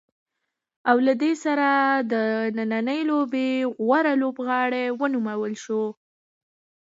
او له دې سره د نننۍ لوبې غوره لوبغاړی ونومول شو.